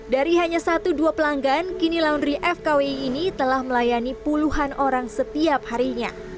dari hanya satu dua pelanggan kini laundry fkwi ini telah melayani puluhan orang setiap harinya